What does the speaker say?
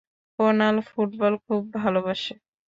Kunal football খুব ভালবাসে।